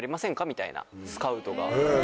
みたいなスカウトが。